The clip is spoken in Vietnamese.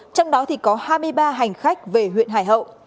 trong đó thì có hai mươi ba hành khách về huyện hải hậu